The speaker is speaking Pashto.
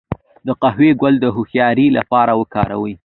د قهوې ګل د هوښیارۍ لپاره وکاروئ